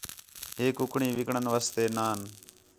ہے کُکڑیں وِکݨ واسطے نان